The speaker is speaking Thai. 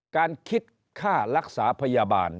การคิดค่ารักษาพยาบาล